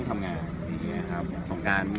สมการครับ